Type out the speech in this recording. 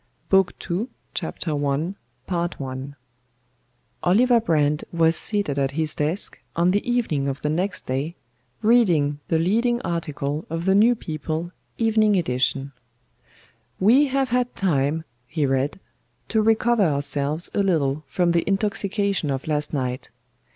BOOK II THE ENCOUNTER CHAPTER I I Oliver Brand was seated at his desk, on the evening of the next day, reading the leading article of the New People, evening edition. "We have had time," he read, "to recover ourselves a little from the intoxication of last night.